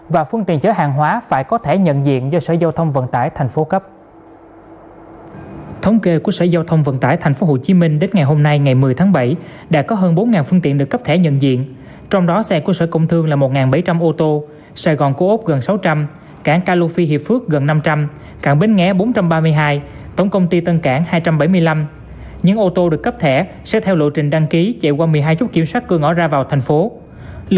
và phương tiện chở hàng hóa phải cố gắng để đạt được cơ chế covid một mươi chín